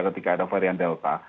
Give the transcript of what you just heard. ketika ada varian delta